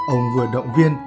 ông vừa động viên